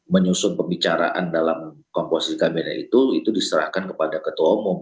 menyusun pembicaraan dalam komposisi kabinet itu itu diserahkan kepada ketua umum